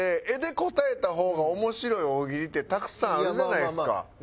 絵で答えた方が面白い大喜利ってたくさんあるじゃないですか。